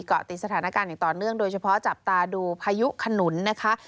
เกาะติดสถานการณ์อย่างต่อเนื่องโดยเฉพาะจับตาดูพายุขนุนนะคะ